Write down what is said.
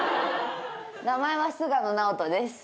名前は菅野直人です。